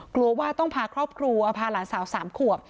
กลัวว่าต้องพาครอบครัวพาหลานสาว๓ขวบ